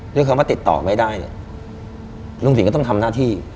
ด้วยความว่าติดต่อไม่ได้เนี่ยลุงสิงห์ก็ต้องทำหน้าที่